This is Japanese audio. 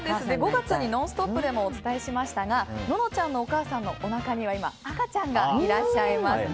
５月に「ノンストップ！」でもお伝えしましたがののちゃんのお母さんのおなかには今、赤ちゃんがいらっしゃいます。